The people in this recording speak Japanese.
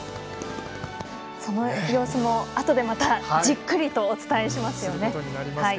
その様子もあとでまたじっくりとお伝えしますよね。